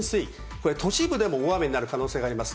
これ、都市部でも大雨になる可能性があります。